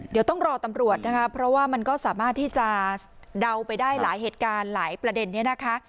เดี๋ยวต้องรอตำรวจนะคะเพราะว่ามันก็สามารถที่จะเดาไปได้หลายเหตุการณ์หลายประเด็นนี้นะคะ